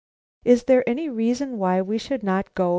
"Is there any reason why we should not go?"